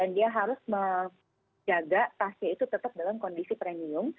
dan dia harus menjaga tasnya itu tetap dalam kondisi premium